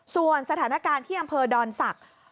ส่วนสถานการณ์ที่อำเภอดอนศักดิ์